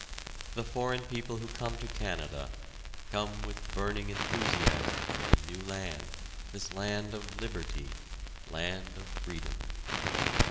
The foreign people who come to Canada, come with burning enthusiasm for the new land, this land of liberty land of freedom.